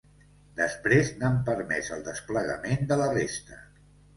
Després n’han permès el desplegament de la resta.